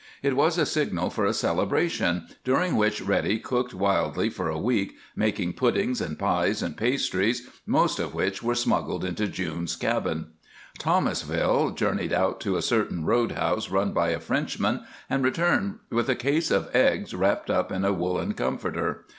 It was a signal for a celebration during which Reddy cooked wildly for a week, making puddings and pies and pastries, most of which were smuggled into June's cabin. Thomasville journeyed out to a certain roadhouse run by a Frenchman, and returned with a case of eggs wrapped up in a woolen comforter.